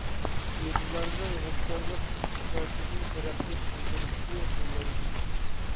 يېزىلارنىڭ ھەمكارلىق ئىقتىسادىنى تەرەققىي قىلدۇرۇشىنى قوللايمىز.